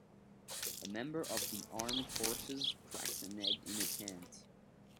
A member of the armed forces cracks an egg in a tent